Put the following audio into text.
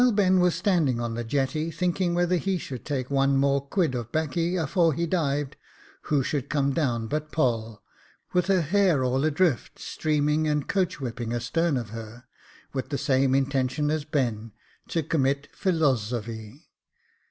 While Ben was standing on the jetty, thinking whether he should take one more quid of backey afore he dived, who should come down but Poll, with her hair all adrift, streaming and coach whipping astern of her, with the same intention as Ben — to commit philo ^offy.